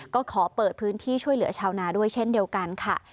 ก็ขอเปิดพื้นที่ช่วยเหลือชาวนาด้วยเช่นเดียวกันค่ะ